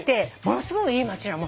ものすごいいい町なの。